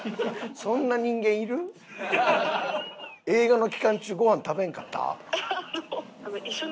映画の期間中ごはん食べんかった？